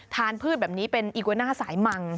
พืชแบบนี้เป็นอีกวาน่าสายมัง